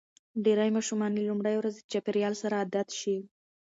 ډېری ماشومان له لومړۍ ورځې د چاپېریال سره عادت شي.